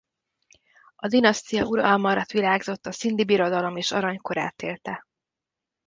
A dinasztia uralma alatt virágzott a szindhi irodalom és aranykorát élte.